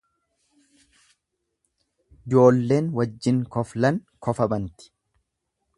Joolleen wajjin koflan kofa banti.